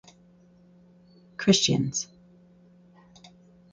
Christians.